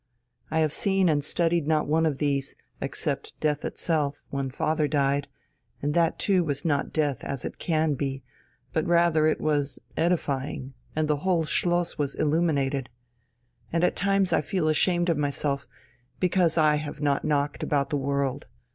I have seen and studied not one of these, except death itself, when father died, and that too was not death as it can be, but rather it was edifying, and the whole Schloss was illuminated. And at times I feel ashamed of myself because I have not knocked about the world.